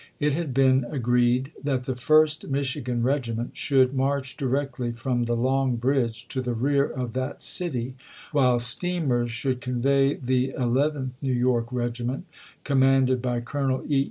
It had been agreed that the First Michigan regiment should march directly from the Long Bridge to the rear of that city, while steamers should convey the Elev enth New York regiment, commanded by Colonel E. E.